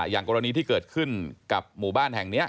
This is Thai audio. อย่างกรณีที่เกิดขึ้นกับหมู่บ้านแห่งนี้